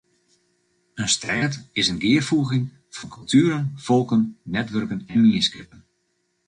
In stêd is in gearfoeging fan kultueren, folken, netwurken en mienskippen.